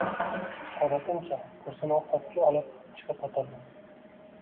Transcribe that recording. Odatimcha, kursini oftobga olib chiqib, o`tirdim